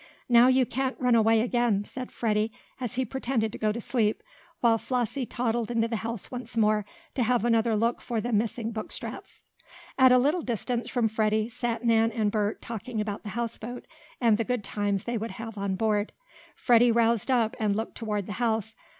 "Now you can't run away again," said Freddie, as he pretended to go to sleep, while Flossie toddled into the house once more, to have another look for the missing book straps. At a little distance from Freddie sat Nan and Bert, talking about the houseboat, and the good times they would have on board. Freddie roused up, and looked toward the house.